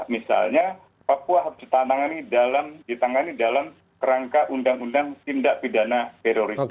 misalnya papua harus ditangani dalam kerangka undang undang tindak pidana terorisme